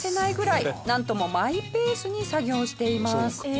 なんともマイペースに作業しています。